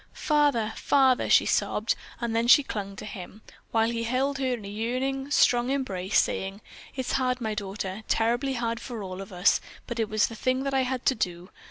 "Father! Father!" she sobbed, and then she clung to him, while he held her in a yearning, strong embrace, saying, "It's hard, my daughter, terribly hard for all of us, but it was the thing that I had to do.